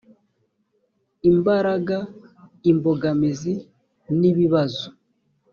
imbaraga imbogamizi n ibibazo